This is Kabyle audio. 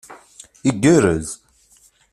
Igerrez.